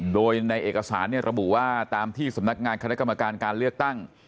โดยในเอกสารระบุว่าตามที่สำนักงานคณะกรรมการการเลือกตั้ง